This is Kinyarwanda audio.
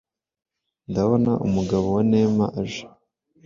Ndabona Umugabo Wa nema aje